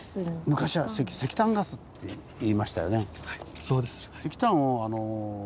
昔は石炭ガスっていいましたよね。